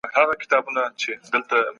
کټوازی